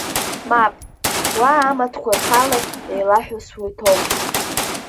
Мап, уа амаҭқәа рхала еилаҳәысуа иҭоуп…